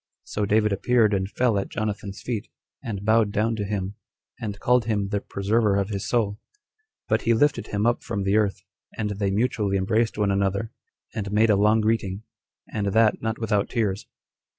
So David appeared and fell at Jonathan's feet, and bowed down to him, and called him the preserver of his soul; but he lifted him up from the earth, and they mutually embraced one another, and made a long greeting, and that not without tears.